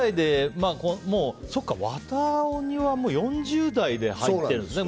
「渡鬼」は４０代で入ってるんですね。